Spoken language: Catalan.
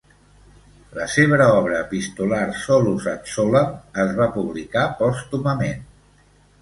La seva obra epistolar, "Solus ad solam", es va publicar pòstumament.